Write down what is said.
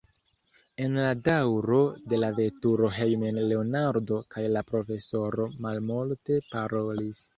En la daŭro de la veturo hejmen Leonardo kaj la profesoro malmulte parolis.